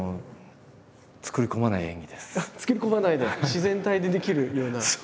作り込まないで自然体でできるような。